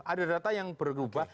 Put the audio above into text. ada data yang berubah